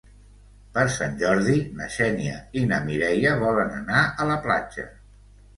Per Sant Jordi na Xènia i na Mireia volen anar a la platja.